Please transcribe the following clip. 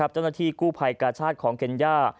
เจ้าหน้าที่กู้ภัยกาชาติของเคนย่า